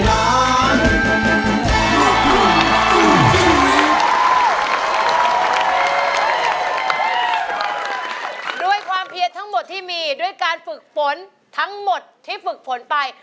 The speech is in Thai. ด้วยความเพียรทั้งหมดที่มีด้วยการฝึกฝนทั้งหมดที่ฝึกฝนไป